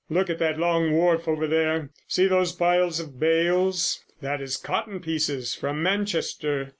Look at that long wharf over there. See those piles of bales? That is cotton pieces from Manchester.